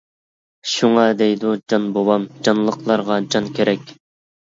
شۇڭا دەيدۇ جان بوۋام، جانلىقلارغا جان كېرەك.